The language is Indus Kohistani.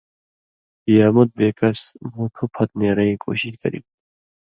یا مت بےکس مُوٹُھو پھت نیرَیں کوشش کرِگ تھو۔